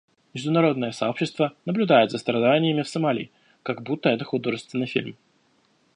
Международное сообщество наблюдает за страданиями в Сомали, как будто это художественный фильм.